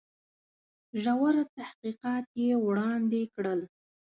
ژور تحقیقات یې وړاندي کړل.